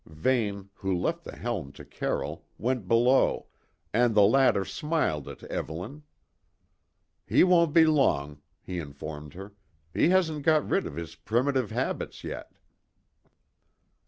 Vane, who left the helm to Carroll, went below, and the latter smiled at Evelyn. "He won't be long," he informed her. "He hasn't got rid of his primitive habits yet."